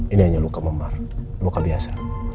ini hanya luka membar luka biasa